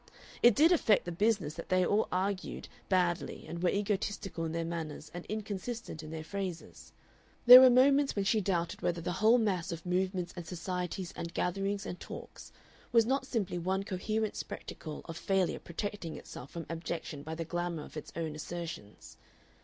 It did affect the business that they all argued badly and were egotistical in their manners and inconsistent in their phrases. There were moments when she doubted whether the whole mass of movements and societies and gatherings and talks was not simply one coherent spectacle of failure protecting itself from abjection by the glamour of its own assertions.